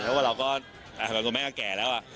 เพราะว่าเราก็แม่ก็แก่แล้วอะ